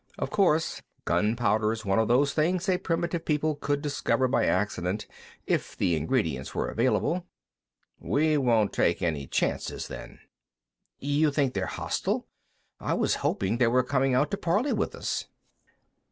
Of course, gunpowder's one of those things a primitive people could discover by accident, if the ingredients were available." "We won't take any chances, then." "You think they're hostile? I was hoping they were coming out to parley with us."